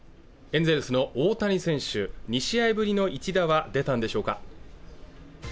エンゼルスの大谷選手２試合ぶりの一打は出たんでしょうか